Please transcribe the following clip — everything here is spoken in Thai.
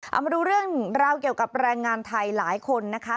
เอามาดูเรื่องราวเกี่ยวกับแรงงานไทยหลายคนนะคะ